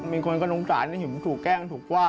มีคนก็โทษสาวในหิวสูกแกล้งสูกว่า